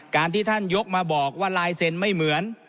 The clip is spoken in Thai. การที่ท่านยกมาบอกว่าลายเซ็นต์ไม่เหมือน